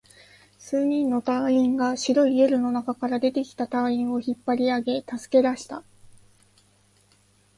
数人の隊員が白いゲルの中から出てきた隊員を引っ張り上げ、助け出した